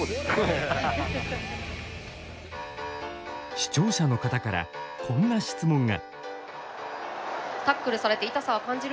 視聴者の方からこんな質問が。